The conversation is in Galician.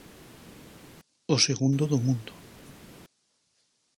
O segundo do mundo.